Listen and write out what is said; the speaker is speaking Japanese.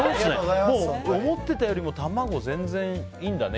思ってたよりも卵、全然いいんだね。